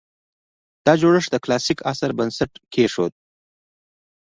دا جوړښت د کلاسیک عصر بنسټ کېښود